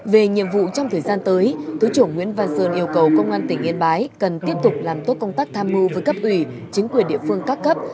về nhiệm vụ trong thời gian tới thứ trưởng nguyễn văn sơn yêu cầu công an tỉnh yên bái cần tiếp tục làm tốt công tác tham mưu với cấp ủy chính quyền địa phương các cấp